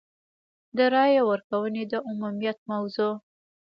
د رایې ورکونې د عمومیت موضوع.